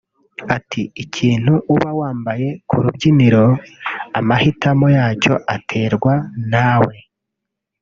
Ati “Ikintu uba wambaye ku rubyiniro amahitamo yacyo aterwa nawe